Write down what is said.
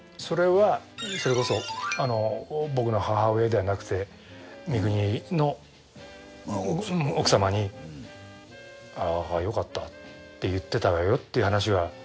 それはそれこそ僕の母親ではなくて三國の奥様に「よかった」って言ってたわよって話は。